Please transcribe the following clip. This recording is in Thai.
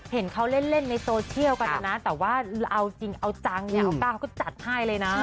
เห็นเขาเล่นในโซเชียลกันนะนะแต่ว่าเอาจริงเอาจังเนี่ยเอาก้าวก็จัดให้เลยนะ